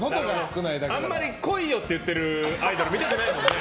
あんまり来いよ！って言ってるアイドル見たことないよね。